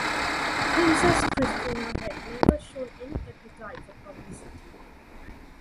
Princess Christina had never shown any appetite for publicity.